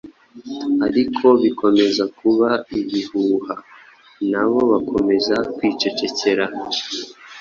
ariko bikomeza kuba ibihuha, nabo bakomeza kwicecekera.